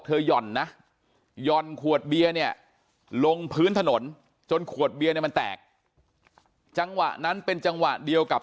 หย่อนนะหย่อนขวดเบียร์เนี่ยลงพื้นถนนจนขวดเบียร์เนี่ยมันแตกจังหวะนั้นเป็นจังหวะเดียวกับ